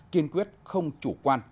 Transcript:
kiên quyết không chủ quan